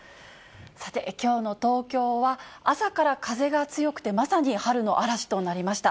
さて、きょうの東京は朝から風が強くて、まさに春の嵐となりました。